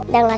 dia gak mau